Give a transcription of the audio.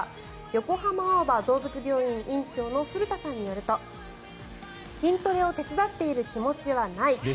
横浜青葉どうぶつ病院院長の古田さんによると筋トレを手伝っている気持ちはない。